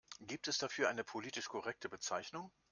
Gibt es dafür eine politisch korrekte Bezeichnung?